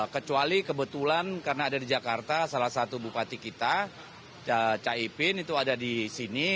kecuali kebetulan karena ada di jakarta salah satu bupati kita caipin itu ada di sini